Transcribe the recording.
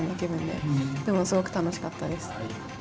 でもすごく楽しかったです。